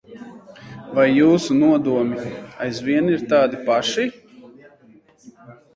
Vai jūsu nodomi aizvien ir tādi paši?